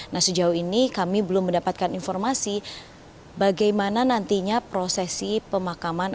nah sejauh ini kami belum mendapatkan informasi bagaimana nantinya prosesi pemakaman